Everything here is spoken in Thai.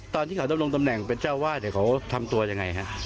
ตอนที่เขาต้องลงตำแหน่งเป็นเจ้าวัดเขาทำตัวยังไงครับ